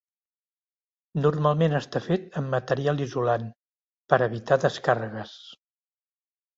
Normalment està fet amb material isolant, per a evitar descàrregues.